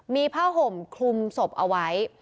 มีผ้าห่มคลุมศพเอาไว้